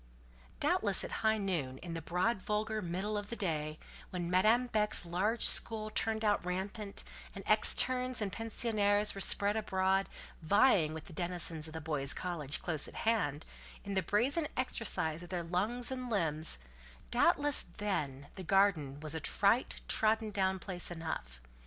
Doubtless at high noon, in the broad, vulgar middle of the day, when Madame Beck's large school turned out rampant, and externes and pensionnaires were spread abroad, vying with the denizens of the boys' college close at hand, in the brazen exercise of their lungs and limbs—doubtless then the garden was a trite, trodden down place enough.